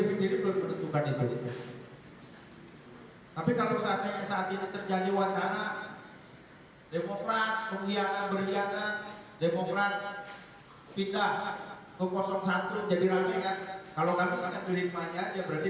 apakah kita pindah ke koalisi